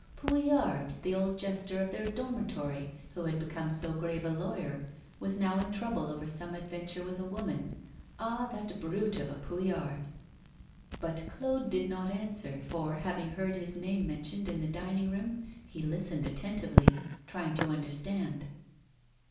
Pouillaud, the old jester of their dormitory, who had become so grave a lawyer, was now in trouble over some adventure with a woman. Ah! that brute of a Pouillaud! But Claude did not answer, for, having heard his name mentioned in the dining room, he listened attentively, trying to understand.